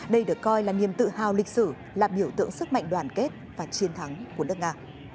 đây được coi là niềm tự hào lịch sử là biểu tượng sức mạnh đoàn kết và chiến thắng của nước nga